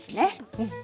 うん。